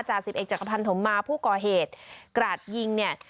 จาศิษย์เอกจังหวันธมมาผู้ก่อเหตุกระหยิงเนี่ย